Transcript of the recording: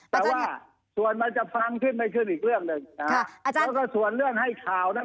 แต่ว่าส่วนมันจะฟังขึ้นไม่ขึ้นอีกเรื่องหนึ่งนะฮะแล้วก็ส่วนเรื่องให้ข่าวนั้น